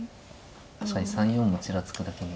確かに３四もちらつくだけに。